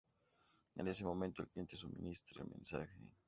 En ese momento el cliente suministra el mensaje.